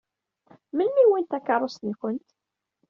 Melmi i wwint takeṛṛust-nkent?